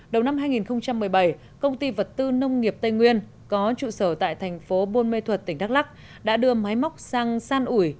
đầu năm hai nghìn một mươi bảy công ty vật tư nông nghiệp tây nguyên có trụ sở tại thành phố buôn mê thuật tỉnh đắk lắc đã đưa máy móc sang san ủi